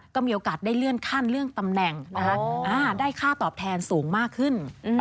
ก็มีโอกาสได้เลื่อนขั้นเลื่อนตำแหน่งได้ค่าตอบแทนสูงมากขึ้น